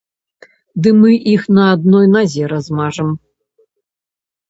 Ды мы іх на адной назе размажам!